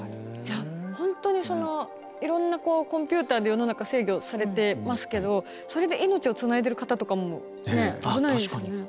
本当にそのいろんなコンピューターで世の中制御されてますけどそれで命をつないでいる方とかも危ないですよね。